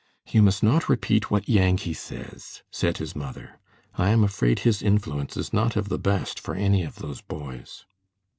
"You must not repeat what Yankee says," said his mother. "I am afraid his influence is not of the best for any of those boys."